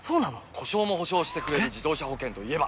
故障も補償してくれる自動車保険といえば？